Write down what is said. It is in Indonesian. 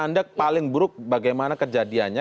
anda paling buruk bagaimana kejadiannya